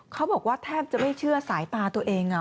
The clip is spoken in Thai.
เขาบอกว่าแทบจะไม่เชื่อสายตาตัวเอง